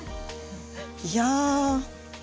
いや。